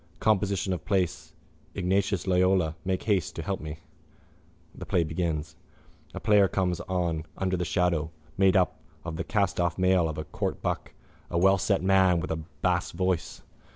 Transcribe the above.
Composition of place. Ignatius Loyola, make haste to help me! —The play begins. A player comes on under the shadow, made up in the castoff mail of a court buck, a wellset man with a bass voice.